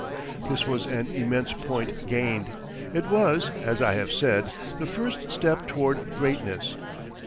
This was an immense point gained. It was, as I have said, the first step toward greatness.